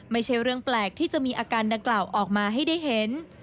ไม่ใช่เรื่องแปลกที่จะมีอาการดังกล่าวออกมาให้ได้เห็น